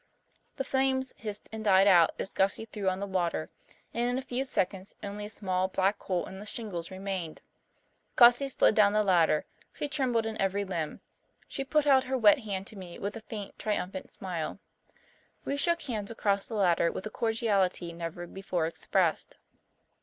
The flames hissed and died out as Gussie threw on the water, and in a few seconds only a small black hole in the shingles remained. Gussie slid down the ladder. She trembled in every limb, but she put out her wet hand to me with a faint, triumphant smile. We shook hands across the ladder with a cordiality never before expressed.